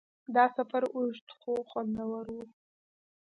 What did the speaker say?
دا سفر اوږد خو خوندور و.